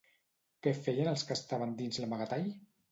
Què feien els que estaven dins l'amagatall?